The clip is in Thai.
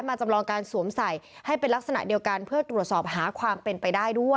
จำลองการสวมใส่ให้เป็นลักษณะเดียวกันเพื่อตรวจสอบหาความเป็นไปได้ด้วย